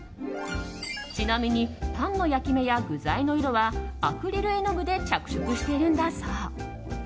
ちなみにパンの焼き目や具材の色はアクリル絵の具で着色しているんだそう。